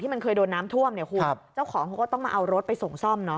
ที่มันเคยโดนน้ำท่วมคุณเจ้าของก็ต้องเอารถไปส่งซ่อม